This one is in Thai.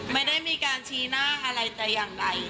ไม่ได้มีการชี้หน้าอะไรแต่อย่างใด